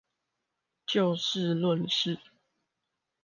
就事論事